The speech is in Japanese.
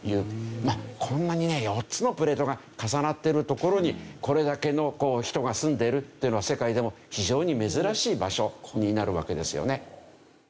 こんなにね４つのプレートが重なっている所にこれだけの人が住んでいるっていうのは世界でも非常に珍しい場所になるわけですよね。